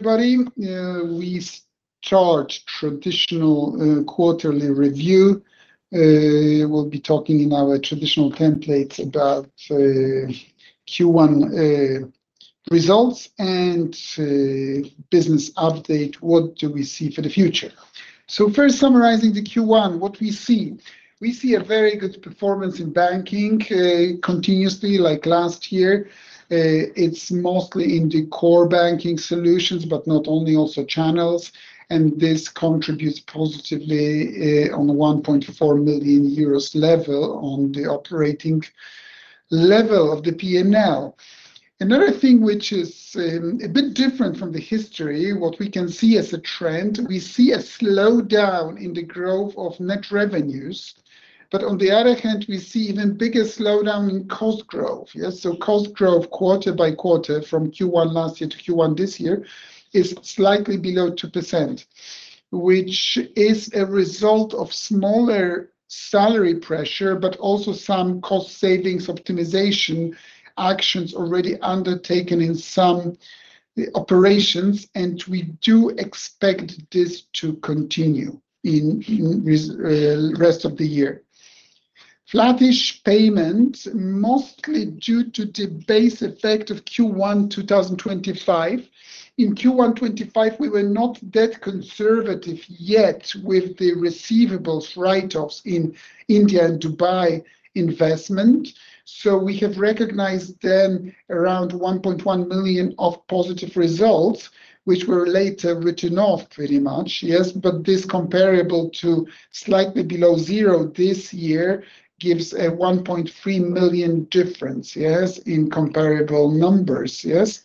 Everybody, we start traditional quarterly review. We'll be talking in our traditional templates about Q1 results and business update, what do we see for the future. First, summarizing the Q1, what we see. We see a very good performance in banking, continuously like last year. It's mostly in the core banking solutions, but not only also channels, and this contributes positively on a 1.4 million euros level on the operating level of the P&L. Another thing which is a bit different from the history, what we can see as a trend, we see a slowdown in the growth of net revenues. On the other hand, we see even bigger slowdown in cost growth. Yes. Cost growth quarter by quarter from Q1 last year to Q1 this year is slightly below 2%, which is a result of smaller salary pressure, but also some cost savings optimization actions already undertaken in some operations, and we do expect this to continue in this rest of the year. Flattish payments, mostly due to the base effect of Q1 2025. In Q1 25, we were not that conservative yet with the receivables write-offs in India and Dubai investment. We have recognized then around 1.1 million of positive results, which were later written off pretty much. Yes. This comparable to slightly below zero this year gives a 1.3 million difference, yes, in comparable numbers. Yes.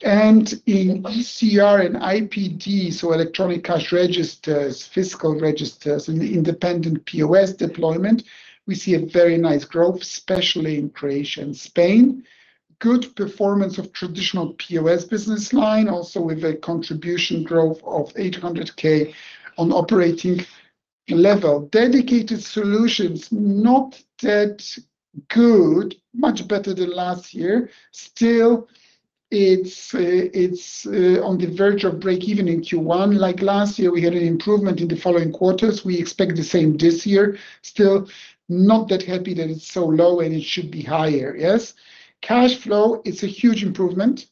In ECR and IPD, so electronic cash registers, fiscal registers, and independent POS deployment, we see a very nice growth, especially in Croatia and Spain. Good performance of traditional POS business line, also with a contribution growth of 800,000 on operating level. Dedicated solutions, not that good, much better than last year. Still, it's on the verge of break-even in Q1. Like last year, we had an improvement in the following quarters. We expect the same this year. Still, not that happy that it's so low, and it should be higher. Yes. Cash flow, it's a huge improvement.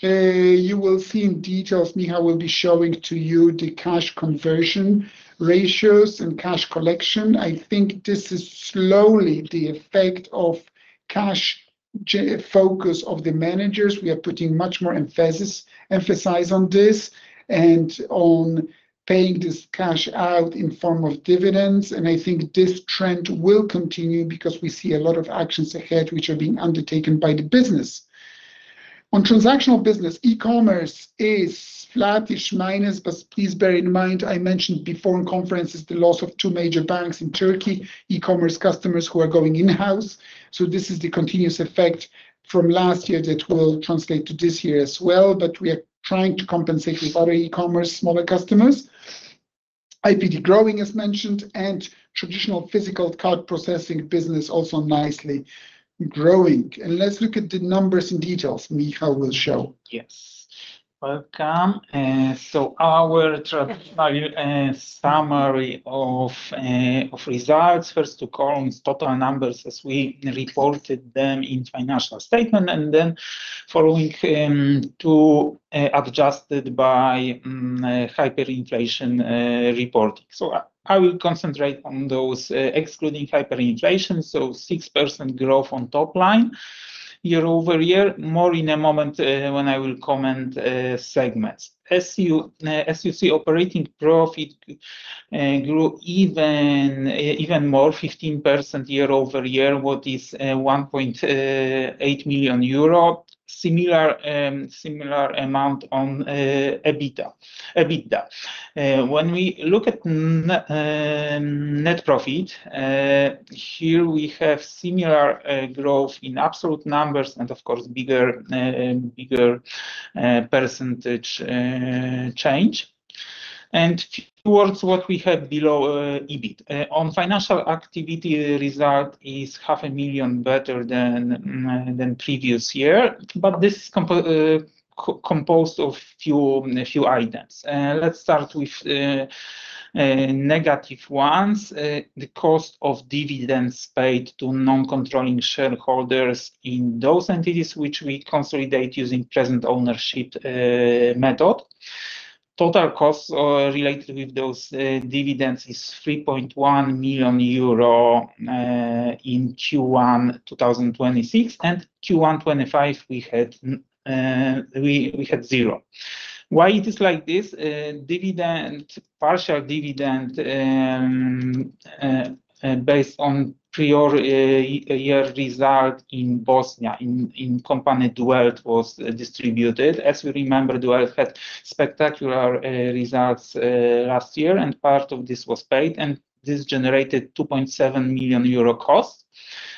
You will see in detail, Michał will be showing to you the cash conversion ratios and cash collection. I think this is slowly the effect of cash focus of the managers. We are putting much more emphasis on this and on paying this cash out in form of dividends. I think this trend will continue because we see a lot of actions ahead which are being undertaken by the business. On transactional business, e-commerce is flattish minus, please bear in mind, I mentioned before in conferences the loss of two major banks in Turkey, e-commerce customers who are going in-house. This is the continuous effect from last year that will translate to this year as well, we are trying to compensate with other e-commerce smaller customers. IPD growing, as mentioned, traditional physical card processing business also nicely growing. Let's look at the numbers in details Michał will show. Yes. Welcome. Our traditional summary of results. First two columns, total numbers as we reported them in financial statement, following two adjusted by hyperinflation reporting. I will concentrate on those excluding hyperinflation, 6% growth on top line year-over-year. More in a moment, when I will comment segments. As you see, operating profit grew even more, 15% year-over-year, what is 1.8 million euro. Similar amount on EBITDA. When we look at net profit, here we have similar growth in absolute numbers, and of course, bigger percentage change. Towards what we have below EBIT. On financial activity result is half a million better than previous year, but this is composed of few items. Let's start with negative ones. The cost of dividends paid to non-controlling shareholders in those entities which we consolidate using present ownership method. Total costs related with those dividends is 3.1 million euro in Q1 2026, and Q1 2025, we had zero. Why it is like this? Dividend, partial dividend, based on prior year result in Bosnia, in company Duet was distributed. As we remember, Duet had spectacular results last year, and part of this was paid, and this generated 2.7 million euro cost.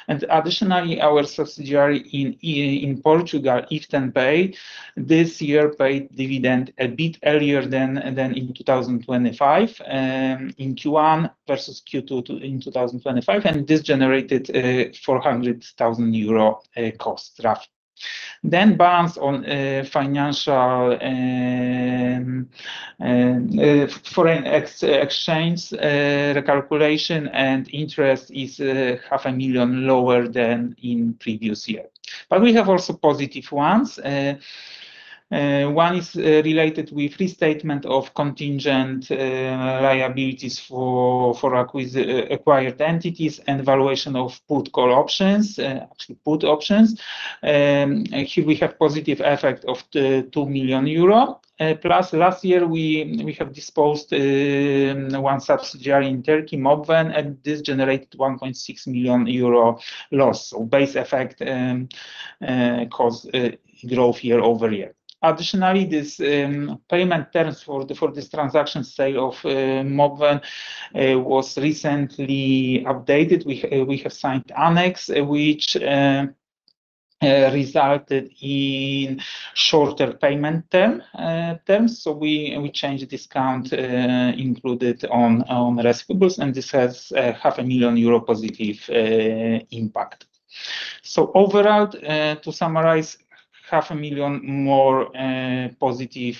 Additionally, our subsidiary in Portugal, Ifthenpay, this year paid dividend a bit earlier than in 2025, in Q1 versus Q2 in 2025, and this generated 400,000 euro cost roughly. Balance on financial and foreign exchange recalculation and interest is 500,000 lower than in previous year. We have also positive ones. One is related with restatement of contingent liabilities for acquired entities and valuation of put call options, actually put options. Here we have positive effect of the 2 million euro. Plus last year we have disposed one subsidiary in Turkey, Mobven, and this generated 1.6 million euro loss or base effect cause growth year over year. Additionally, this payment terms for the, for this transaction sale of Mobven, was recently updated. We have signed annex, which resulted in shorter payment terms. We changed the discount included on receivables, and this has a 500,000 euro positive impact. Overall, to summarize, 500,000 more positive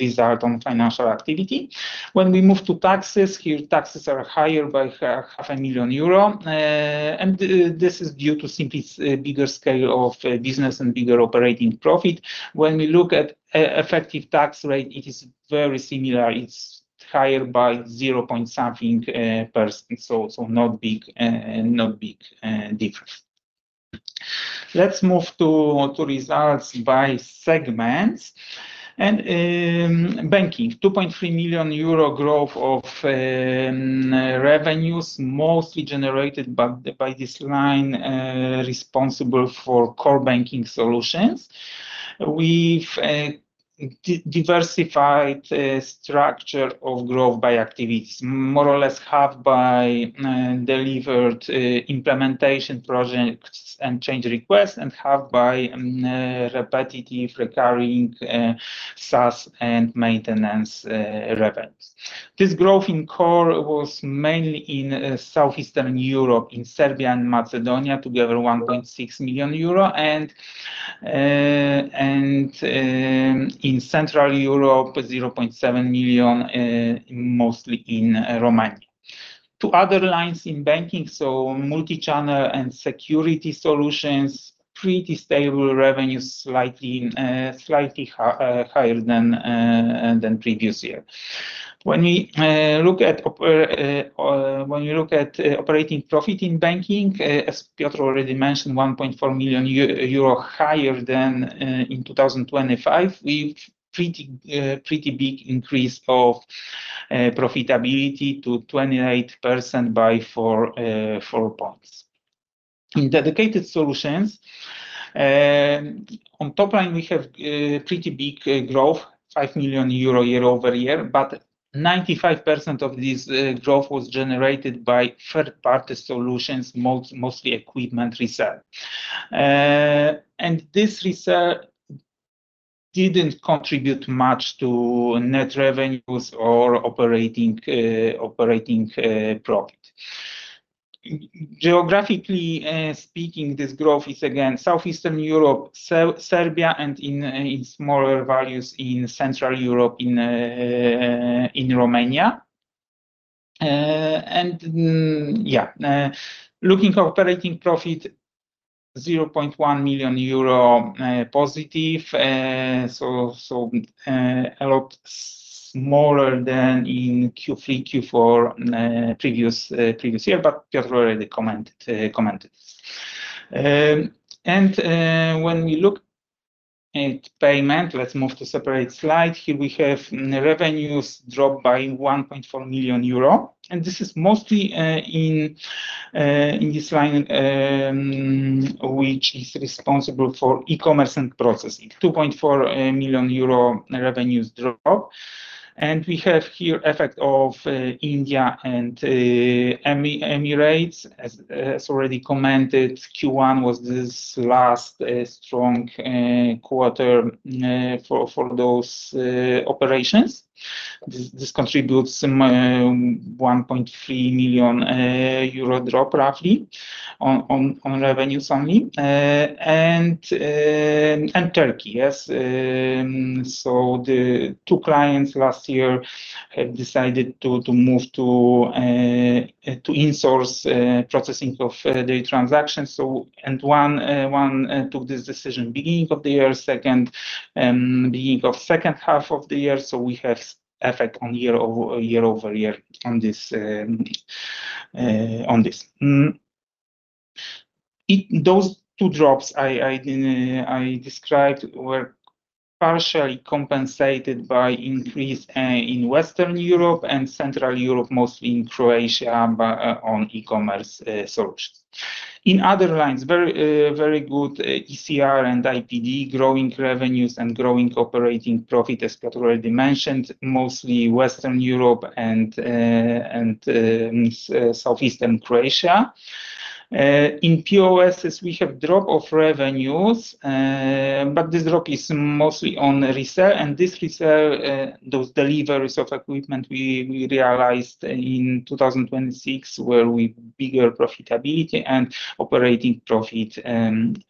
result on financial activity. When we move to taxes, here taxes are higher by 500,000 euro. This is due to simply bigger scale of business and bigger operating profit. When we look at effective tax rate, it is very similar. It is higher by zero point something percent, so not big difference. Let's move to results by segments. Banking, 2.3 million euro growth of revenues, mostly generated by this line responsible for core banking solutions. We've diversified the structure of growth by activities, more or less half by delivered implementation projects and change requests and half by repetitive, recurring SaaS and maintenance revenues. This growth in core was mainly in Southeastern Europe, in Serbia and Macedonia, together 1.6 million euro and in Central Europe, 0.7 million, mostly in Romania. Two other lines in banking, so multi-channel and security solutions, pretty stable revenues, slightly higher than previous year. When we look at operating profit in banking, as Piotr already mentioned, 1.4 million euro higher than in 2025. We've pretty big increase of profitability to 28% by 4 points. In dedicated solutions, on top line, we have pretty big growth, 5 million euro year-over-year, but 95% of this growth was generated by third-party solutions, mostly equipment resale. This resale didn't contribute much to net revenues or operating profit. Geographically speaking, this growth is again Southeastern Europe, Serbia, and in smaller values in Central Europe, in Romania. Yeah. Looking operating profit, 0.1 million euro positive. A lot smaller than in Q3, Q4, previous year, but Piotr already commented. When we look at payment, let's move to separate slide. Here we have revenues dropped by 1.4 million euro, and this is mostly in this line, which is responsible for e-commerce and processing. 2.4 million euro revenues drop. We have here effect of India and Emirates. As already commented, Q1 was this last strong quarter for those operations. This contributes 1.3 million euro drop roughly on revenues only. Turkey. Yes. The two clients last year have decided to move to in-source processing of the transactions. One, one took this decision beginning of the year, second, beginning of second half of the year. We have effect on year-over-year on this, on this. Those two drops I described were partially compensated by increase in Western Europe and Central Europe, mostly in Croatia, on e-commerce solutions. In other lines, very, very good ECR and IPD, growing revenues and growing operating profit, as Piotr already mentioned, mostly Western Europe and Southeastern Croatia. In POSs, we have drop of revenues, but this drop is mostly on resale. This resale, those deliveries of equipment we realized in 2026 were with bigger profitability and operating profit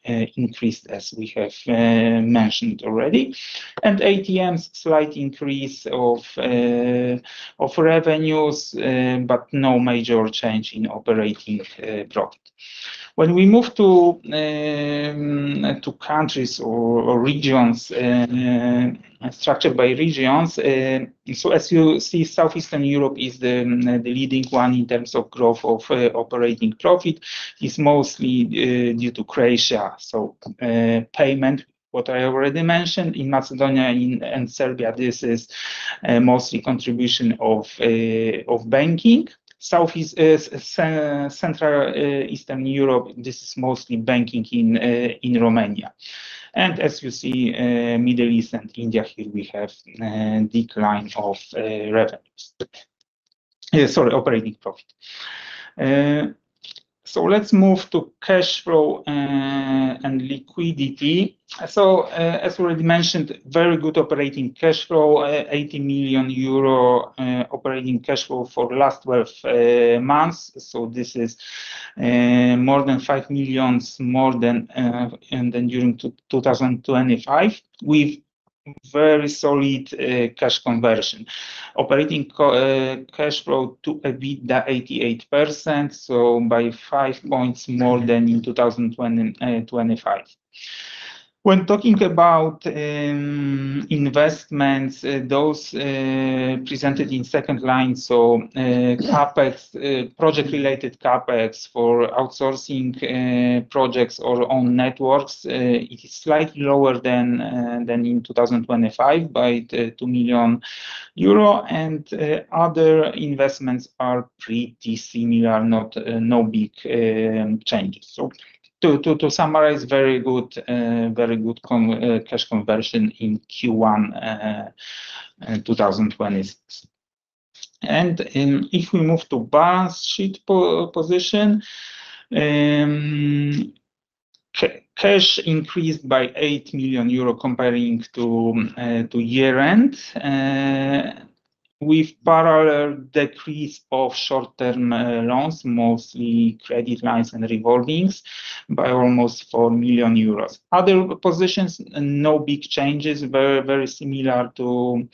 increased as we have mentioned already. ATMs, slight increase of revenues, but no major change in operating profit. When we move to countries or regions, structured by regions, so as you see, Southeastern Europe is the leading one in terms of growth of operating profit. It's mostly due to Croatia. Payment, what I already mentioned, in Macedonia and Serbia, this is mostly contribution of banking. Southeast, South, Central, Eastern Europe, this is mostly banking in Romania. As you see, Middle East and India here, we have decline of revenues. Sorry, operating profit. Let's move to cash flow and liquidity. As already mentioned, very good operating cash flow, 80 million euro operating cash flow for last 12 months. This is more than 5 million more than during 2025, with very solid cash conversion. Operating cash flow to EBITDA 88%, by 5 points more than in 2025. When talking about investments, those presented in second line, CapEx, project-related CapEx for outsourcing projects or own networks, it is slightly lower than in 2025 by 2 million euro. Other investments are pretty similar, not no big changes. To summarize, very good cash conversion in Q1 2026. If we move to balance sheet position, cash increased by 8 million euro comparing to year-end, with parallel decrease of short-term loans, mostly credit lines and revolvings, by almost 4 million euros. Other positions, no big changes. Very similar to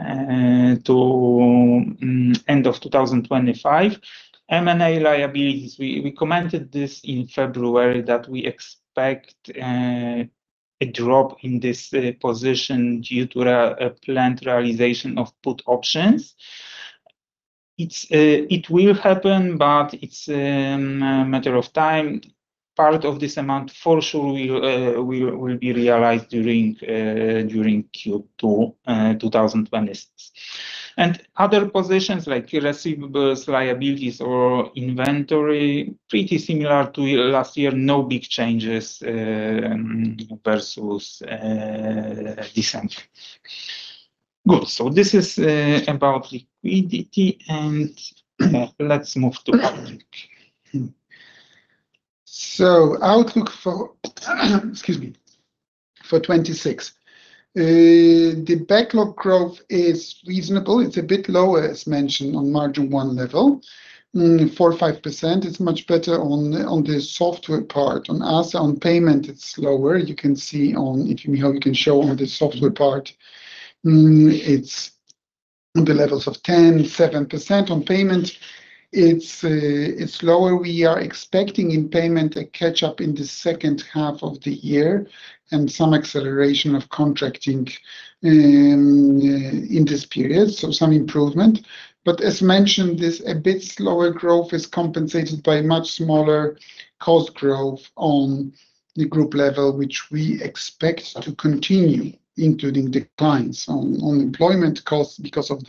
end of 2025. M&A liabilities, we commented this in February that we expect a drop in this position due to a planned realization of put options. It will happen, but it's a matter of time. Part of this amount for sure will be realized during Q2 2026. Other positions like receivables, liabilities or inventory, pretty similar to last year. No big changes versus December. Good. This is about liquidity, and let's move to outlook. Outlook for 2026. The backlog growth is reasonable. It's a bit lower, as mentioned, on margin one level. 4%-5%. It's much better on the software part. On payment, it's lower. You can show on the software part. It's on the levels of 10%, 7%. On payment, it's lower. We are expecting in payment a catch-up in the second half of the year and some acceleration of contracting in this period. Some improvement. As mentioned, this a bit slower growth is compensated by much smaller cost growth on the group level, which we expect to continue, including declines on employment costs because of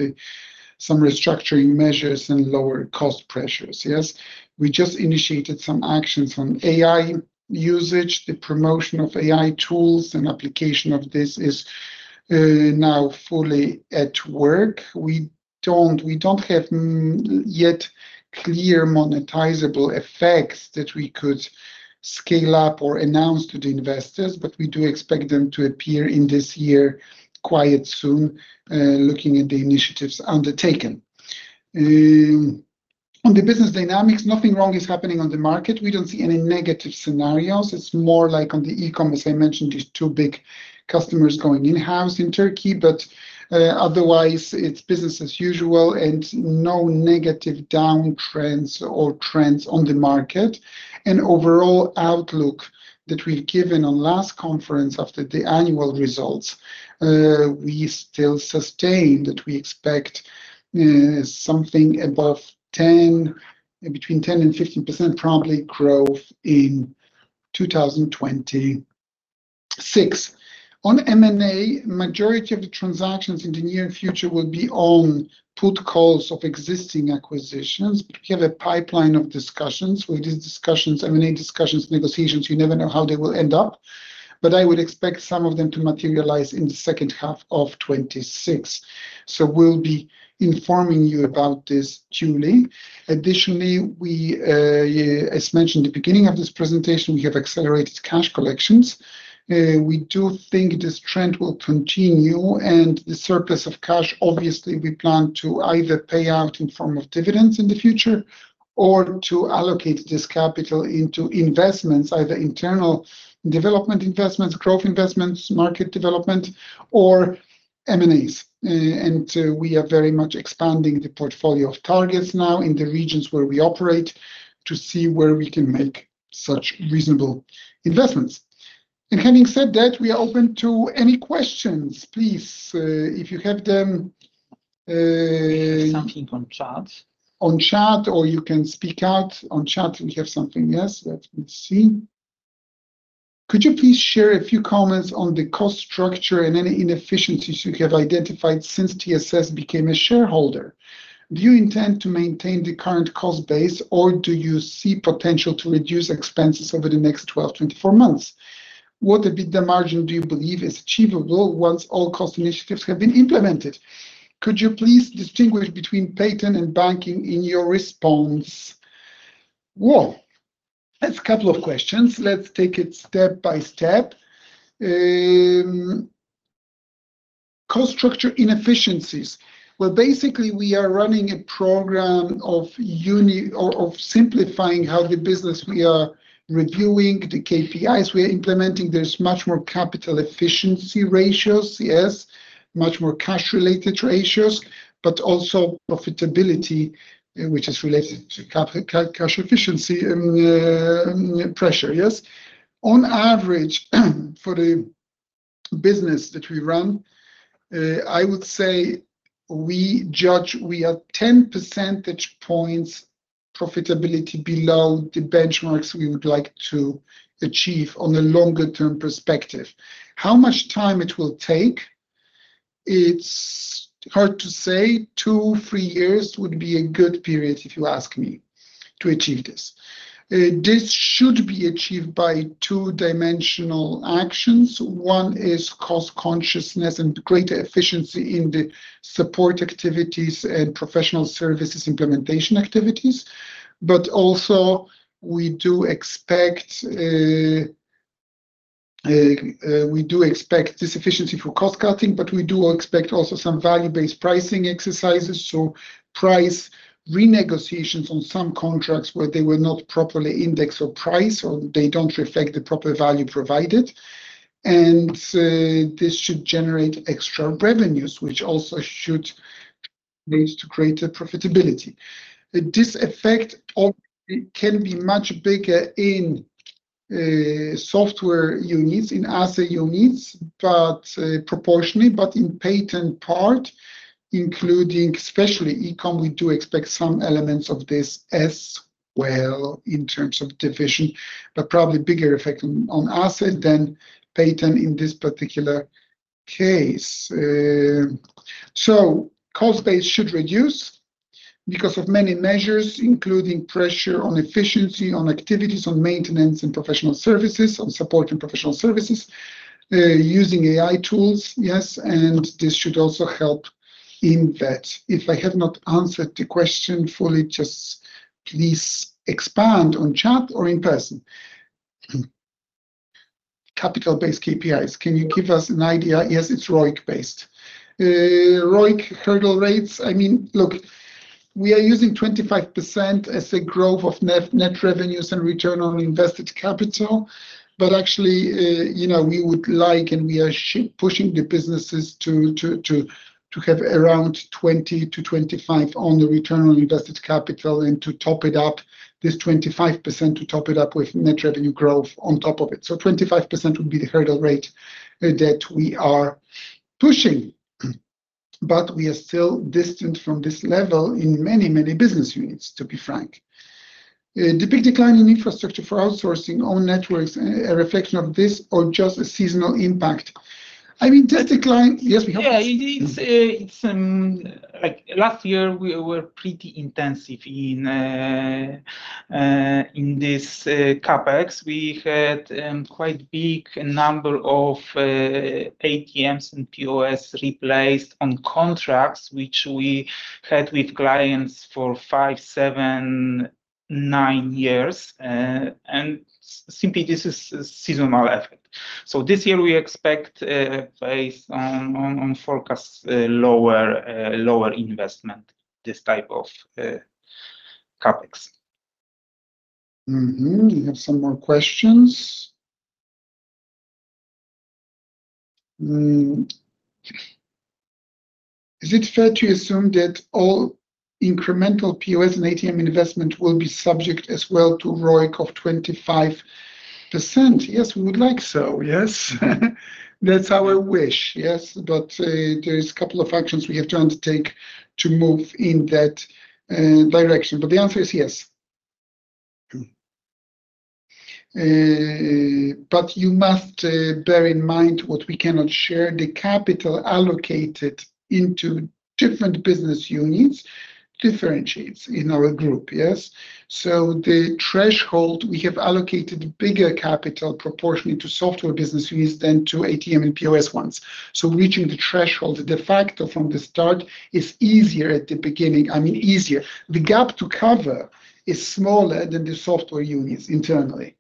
some restructuring measures and lower cost pressures. Yes, we just initiated some actions on AI usage. The promotion of AI tools and application of this is now fully at work. We don't have yet clear monetizable effects that we could scale up or announce to the investors, but we do expect them to appear in this year quite soon, looking at the initiatives undertaken. On the business dynamics, nothing wrong is happening on the market. We don't see any negative scenarios. It's more like on the e-commerce, I mentioned these two big customers going in-house in Turkey, but otherwise, it's business as usual and no negative downtrends or trends on the market. Overall outlook that we've given on last conference after the annual results, we still sustain that we expect something above 10%, between 10% and 15% probably growth in 2026. On M&A, majority of the transactions in the near future will be on put calls of existing acquisitions. We have a pipeline of discussions. With these discussions, M&A discussions, negotiations, you never know how they will end up. I would expect some of them to materialize in the second half of 2026. We'll be informing you about this duly. Additionally, we, as mentioned the beginning of this presentation, we have accelerated cash collections. We do think this trend will continue, and the surplus of cash, obviously, we plan to either pay out in form of dividends in the future or to allocate this capital into investments, either internal development investments, growth investments, market development, or M&As. We are very much expanding the portfolio of targets now in the regions where we operate to see where we can make such reasonable investments. Having said that, we are open to any questions. Please, if you have them. We have something on chat.... on chat, or you can speak out. On chat we have something. Yes. Let's see. Could you please share a few comments on the cost structure and any inefficiencies you have identified since TSS became a shareholder? Do you intend to maintain the current cost base, or do you see potential to reduce expenses over the next 12 to 24 months? What EBITDA margin do you believe is achievable once all cost initiatives have been implemented? Could you please distinguish between Payten and banking in your response? Whoa. That's a couple of questions. Let's take it step by step. Cost structure inefficiencies. Well, basically, we are running a program of simplifying how the business we are reviewing, the KPIs we are implementing. There's much more capital efficiency ratios, yes, much more cash-related ratios, but also profitability, which is related to cash efficiency and pressure. Yes. On average, for the business that we run, I would say we judge we are 10% points profitability below the benchmarks we would like to achieve on a longer term perspective. How much time it will take, it's hard to say. two, three years would be a good period, if you ask me, to achieve this. This should be achieved by two-dimensional actions. One is cost consciousness and greater efficiency in the support activities and professional services implementation activities. But also we do expect this efficiency for cost-cutting, but we do expect also some value-based pricing exercises. Price renegotiations on some contracts where they were not properly indexed or priced, or they don't reflect the proper value provided. This should generate extra revenues, which also should lead to greater profitability. This effect can be much bigger in software units, in Asseco units, but proportionally, but in Payten part, including especially eCom, we do expect some elements of this as well in terms of division, but probably bigger effect on Asseco than Payten in this particular case. Cost base should reduce because of many measures, including pressure on efficiency, on activities, on maintenance and professional services, on support and professional services, using AI tools, yes, and this should also help in that. If I have not answered the question fully, just please expand on chat or in person. Capital base KPIs. Can you give us an idea? Yes, it's ROIC based. ROIC hurdle rates, I mean, look, we are using 25% as a growth of net revenues and return on invested capital. actually, you know, we would like, and we are pushing the businesses to have around 20%-25% on the return on invested capital and to top it up, this 25% to top it up with net revenue growth on top of it. 25% would be the hurdle rate that we are pushing, but we are still distant from this level in many business units, to be frank. The big decline in infrastructure for outsourcing own networks, a reflection of this or just a seasonal impact? I mean, that decline. Yes, we have Yeah, it is, it's like last year we were pretty intensive in this CapEx. We had quite big number of ATMs and POS replaced on contracts, which we had with clients for five, seven, nine years. Simply this is a seasonal effect. This year we expect based on forecast lower lower investment, this type of CapEx. We have some more questions. Is it fair to assume that all incremental POS and ATM investment will be subject as well to ROIC of 25%? Yes, we would like so. Yes. That's our wish. Yes. There is a couple of actions we have to undertake to move in that direction. The answer is yes. You must bear in mind what we cannot share, the capital allocated into different business units differentiates in our group. Yes. The threshold, we have allocated bigger capital proportionally to software business units than to ATM and POS ones. Reaching the threshold, de facto from the start is easier at the beginning. I mean, easier. The gap to cover is smaller than the software units internally.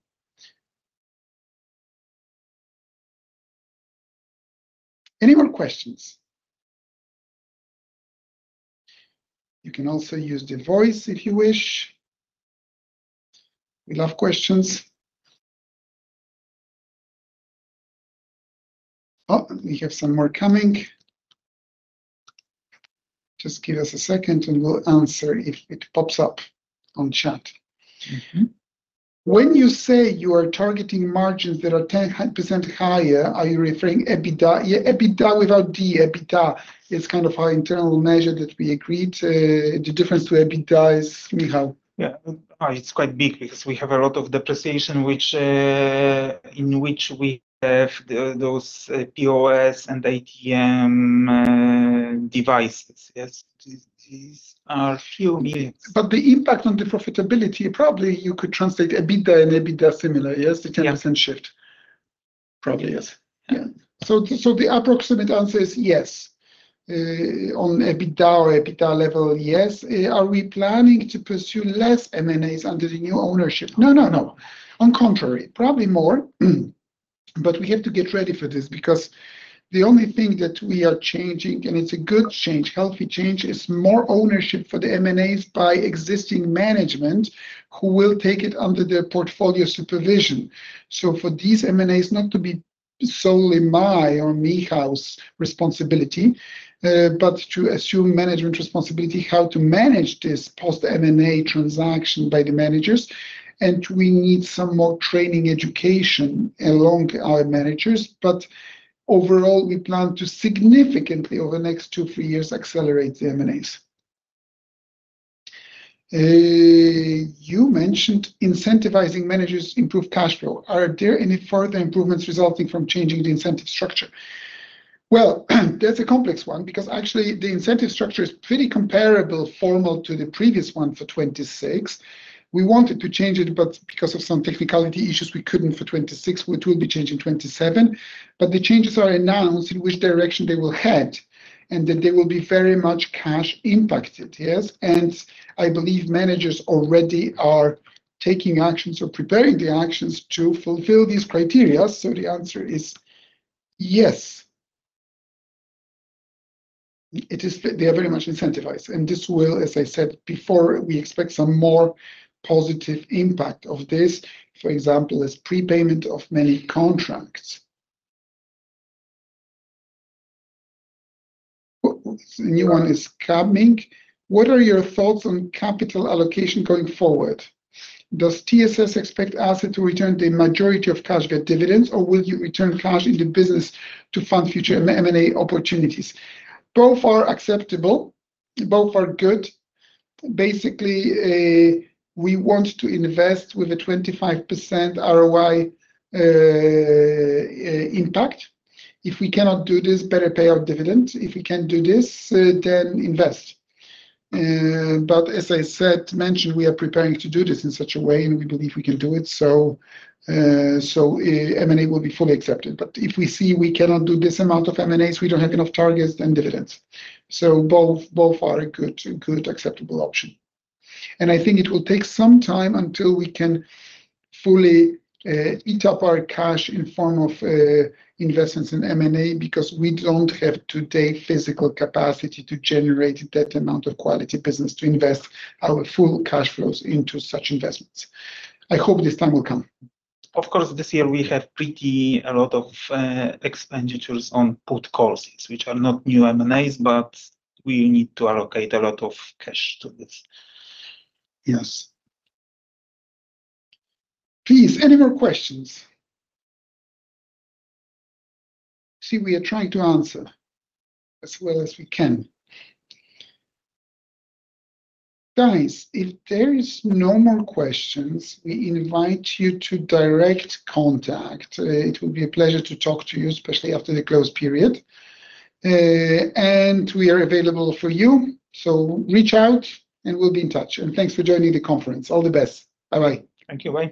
Any more questions? You can also use the voice if you wish. We love questions. Oh, we have some more coming. Just give us a second, and we'll answer if it pops up on chat. Mm-hmm. When you say you are targeting margins that are 10% higher, are you referring EBITDA? Yeah, EBITDA without D. EBIDA is kind of our internal measure that we agreed. The difference to EBITDA is, Michał. Yeah. It's quite big because we have a lot of depreciation which, in which we have those POS and ATM devices. Yes. These are few million. The impact on the profitability, probably you could translate a bit there and EBITDA similar. Yes? Yeah. The 10% shift. Probably, yes. Yeah. The approximate answer is yes. On EBITDA or EBIDA level, yes. Are we planning to pursue less M&As under the new ownership? No. On contrary, probably more, but we have to get ready for this because the only thing that we are changing, and it's a good change, healthy change, is more ownership for the M&As by existing management who will take it under their portfolio supervision. For these M&As not to be solely my or Michał's responsibility, but to assume management responsibility, how to manage this post-M&A transaction by the managers. We need some more training education along our managers. Overall, we plan to significantly, over the next two, three years, accelerate the M&As. You mentioned incentivizing managers improve cash flow. Are there any further improvements resulting from changing the incentive structure? Well, that's a complex one because actually the incentive structure is pretty comparable formal to the previous one for 2026. We wanted to change it, because of some technicality issues, we couldn't for 2026. We will be changing 2027. The changes are announced in which direction they will head, and that they will be very much cash impacted. Yes. I believe managers already are taking actions or preparing the actions to fulfill these criteria. The answer is yes. They are very much incentivized. This will, as I said before, we expect some more positive impact of this. For example, is prepayment of many contracts. A new one is coming. What are your thoughts on capital allocation going forward? Does TSS expect Asseco to return the majority of cash via dividends, or will you return cash into business to fund future M&A opportunities? Both are acceptable. Both are good. Basically, we want to invest with a 25% ROI impact. If we cannot do this, better pay our dividend. If we can do this, then invest. But as I said, mentioned, we are preparing to do this in such a way, and we believe we can do it, so M&A will be fully accepted. If we see we cannot do this amount of M&As, we don't have enough targets and dividends. Both are a good acceptable option. I think it will take some time until we can fully eat up our cash in form of investments in M&A because we don't have today physical capacity to generate that amount of quality business to invest our full cash flows into such investments. I hope this time will come. Of course, this year we have pretty a lot of expenditures on put calls, which are not new M&As, but we need to allocate a lot of cash to this. Yes. Please, any more questions? See, we are trying to answer as well as we can. Guys, if there is no more questions, we invite you to direct contact. It will be a pleasure to talk to you, especially after the close period. We are available for you, so reach out, and we'll be in touch. Thanks for joining the conference. All the best. Bye-bye. Thank you. Bye.